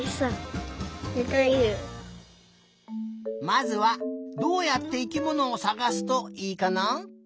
まずはどうやって生きものをさがすといいかな？